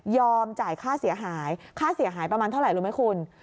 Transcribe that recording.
จ่ายค่าเสียหายค่าเสียหายประมาณเท่าไหร่รู้ไหมคุณ